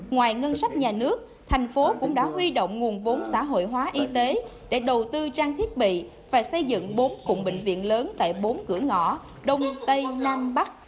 ngoài ngân sách nhà nước thành phố cũng đã huy động nguồn vốn xã hội hóa y tế để đầu tư trang thiết bị và xây dựng bốn cụm bệnh viện lớn tại bốn cửa ngõ đông tây nam bắc